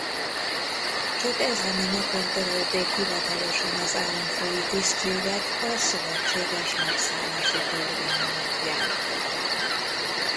Csak ezen a napon törölték hivatalosan az államfői tisztséget a szövetséges megszállási törvény alapján.